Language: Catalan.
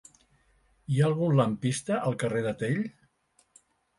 Hi ha algun lampista al carrer de Tell?